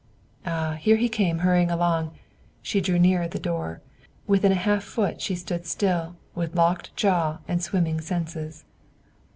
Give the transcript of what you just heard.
Ah, here he came hurrying along; she drew nearer the door; within a half foot she stood still with locked jaw and swimming senses.